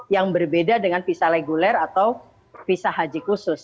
yang berbeda dengan visa reguler atau visa haji khusus